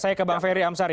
saya ke bang ferry amsari